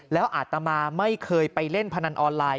แล้วอาตมาไม่เคยไปเล่นพนันออนไลน